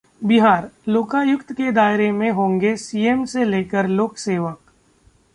बिहार: लोकायुक्त के दायरे में होंगे सीएम से लेकर लोकसेवक